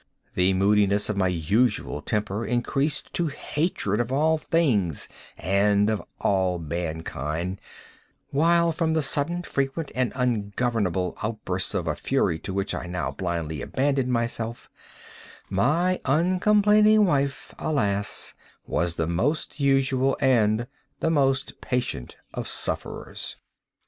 The moodiness of my usual temper increased to hatred of all things and of all mankind; while, from the sudden, frequent, and ungovernable outbursts of a fury to which I now blindly abandoned myself, my uncomplaining wife, alas, was the most usual and the most patient of sufferers.